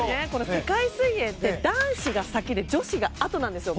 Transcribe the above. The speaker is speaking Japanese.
世界水泳って男子が先で女子があとなんですよ。